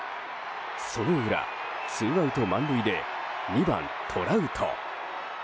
その裏、ツーアウト満塁で２番、トラウト。